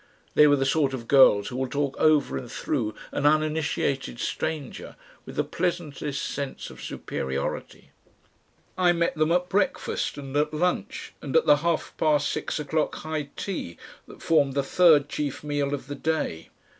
They were the sort of girls who will talk over and through an uninitiated stranger with the pleasantest sense of superiority. I met them at breakfast and at lunch and at the half past six o'clock high tea that formed the third chief meal of the day.